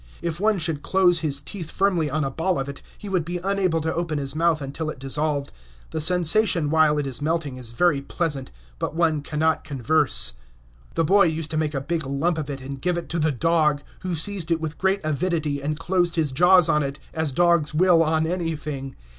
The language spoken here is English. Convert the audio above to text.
If one should close his teeth firmly on a ball of it, he would be unable to open his mouth until it dissolved. The sensation while it is melting is very pleasant, but one cannot converse. The boy used to make a big lump of it and give it to the dog, who seized it with great avidity, and closed his jaws on it, as dogs will on anything.